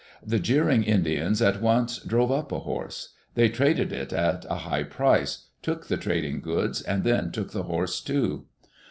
The jeering Indians at once drove up a horse. They traded it at a high price, took die trading goods, and then took the horse, too.